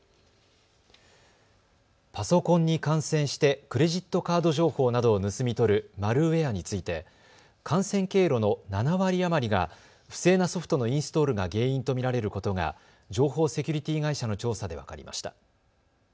パソコンに感染してクレジットカード情報などを盗み取るマルウエアについて感染経路の７割余りが不正なソフトのインストールが原因と見られることが情報セキュリティー会社の調査で分かりました。